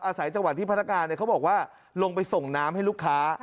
อาศัยจังหวัดที่พนักงานเขาบอกว่าลงไปส่งน้ำให้ลูกค้า